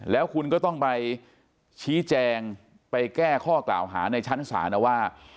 แล้วคุณก็ต้องไปชี้แจงไปแก้ข้อกล่าวหาในชั้นศาลนะว่า